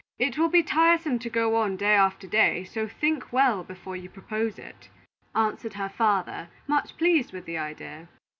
It will be tiresome to go on day after day, so think well before you propose it," answered her father, much pleased with the idea.